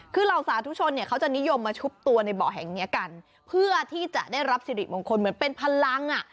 คือเหล่าสาธุชนเนี่ยเขาจะนิยมมาชุบตัวในเบาะแห่งนี้กันเพื่อที่จะได้รับสิริมงคลเหมือนเป็นพลังอ่ะ